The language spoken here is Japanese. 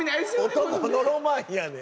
男のロマンやねん。